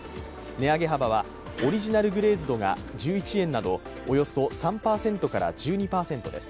値上げ幅はオリジナル・グレーズトが１１円などおよそ３％から１２％です。